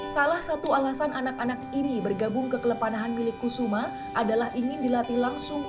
salah satu alasan anak anak ini bergabung ke klub panahan milik kusuma adalah ingin dilatih langsung